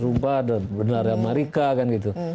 rupa benar amerika kan gitu